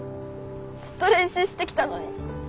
ずっと練習してきたのに。